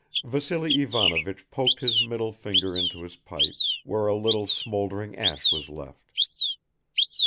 Vassily Ivanovich poked his middle finger into his pipe, where a little smoldering ash was left.